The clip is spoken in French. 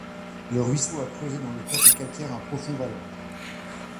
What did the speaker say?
Le ruisseau a creusé dans le plateau calcaire un profond vallon.